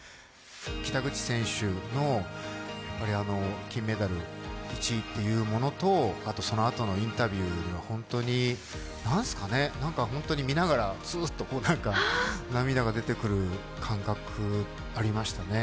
北口選手の金メダル、１位というものとそのあとのインタビューが本当に見ながら、つーっと涙が出てくる感覚がありましたね。